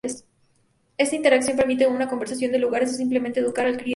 Estas interacciones permiten una conversación en lugar de simplemente educar al cliente.